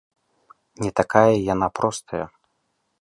Не такая яна простая!